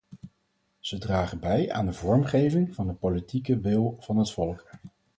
Ze dragen bij aan de vormgeving van de politieke wil van het volk.